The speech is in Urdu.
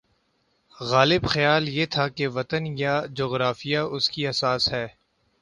غالب خیال یہ تھا کہ وطن یا جغرافیہ اس کی اساس ہے۔